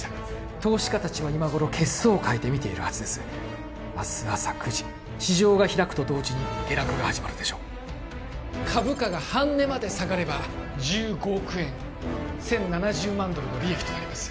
投資家達は今頃血相を変えて見ているはずです明日朝９時市場が開くと同時に下落が始まるでしょう株価が半値まで下がれば１５億円１０７０万ドルの利益となります